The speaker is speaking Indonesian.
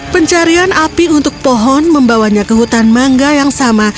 pencarian api untuk pohon membawanya ke hutan mangga yang sama